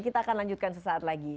kita akan lanjutkan sesaat lagi